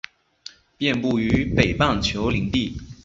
遍布于北半球林地。